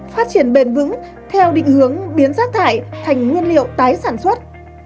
phát triển bền vững theo định hướng biến rác thải thành nguyên liệu tái sản xuất